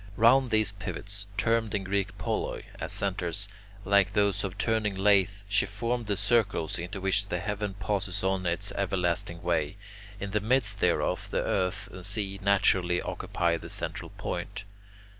Round these pivots (termed in Greek [Greek: poloi]) as centres, like those of a turning lathe, she formed the circles in which the heaven passes on its everlasting way. In the midst thereof, the earth and sea naturally occupy the central point.